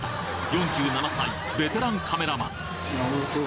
４７歳ベテランカメラマン